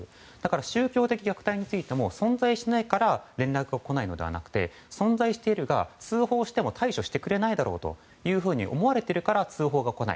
宗教的虐待についても存在がしないから連絡が来ないのではなくて存在しているが通報しても対処してくれないと思われているから通報が来ない。